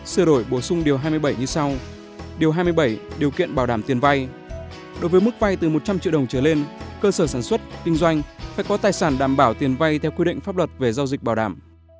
trong triệu đồng trở lên cơ sở sản xuất kinh doanh phải có tài sản đảm bảo tiền vay theo quy định pháp luật về giao dịch bảo đảm